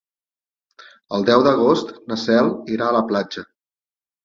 El deu d'agost na Cel irà a la platja.